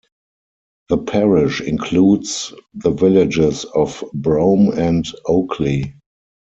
The parish includes the villages of Brome and Oakley.